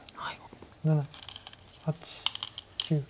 ７８９。